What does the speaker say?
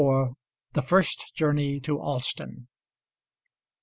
THE FIRST JOURNEY TO ALSTON.